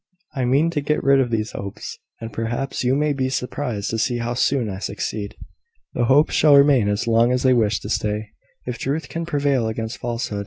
I mean to get rid of these Hopes; and, perhaps, you may be surprised to see how soon I succeed." "The Hopes shall remain as long as they wish to stay, if truth can prevail against falsehood.